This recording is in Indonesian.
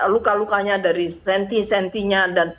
luka lukanya dari senti sentinya dan